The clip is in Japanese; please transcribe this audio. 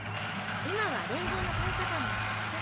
今は連合の監査官なんですって。